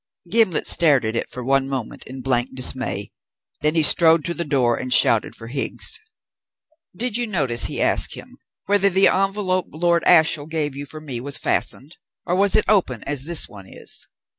Gimblet stared at it for one moment in blank dismay. Then he strode to the door and shouted for Higgs. "Did you notice," he asked him, "whether the envelope Lord Ashiel gave you for me was fastened, or was it open as this one is?"